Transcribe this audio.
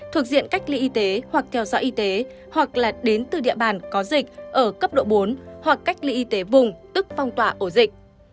thuộc diện cách ly y tế hoặc theo dõi y tế hoặc là đến từ địa bàn có dịch ở cấp độ bốn hoặc cách ly y tế vùng tức phong tỏa ổ dịch